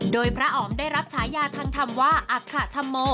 โดยพระอ๋อมได้รับฉายาทางธรรมว่าอคธรรโม